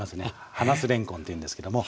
花酢れんこんっていうんですけども。